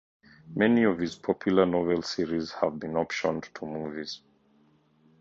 Many of his popular novel series have been optioned for movies.